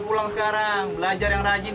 pulang sekarang belajar yang rajin